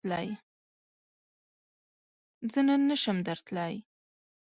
زۀ نن نشم درتلای